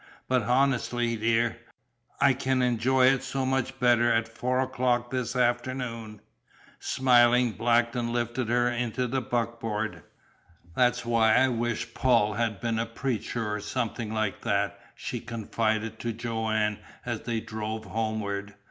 "But, honestly, dear, I can enjoy it so much better at four o'clock this afternoon." Smiling, Blackton lifted her into the buckboard. "That's why I wish Paul had been a preacher or something like that," she confided to Joanne as they drove homeward.